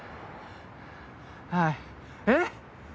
はいえっ